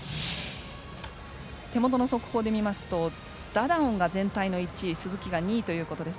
手元の速報で見ますとダダオンが全体の１位鈴木が２位ということです。